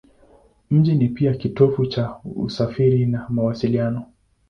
Mji ni pia kitovu cha usafiri na mawasiliano.